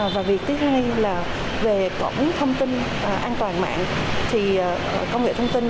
và việc tiếp theo là về tổng thông tin an toàn mạng thì công nghệ thông tin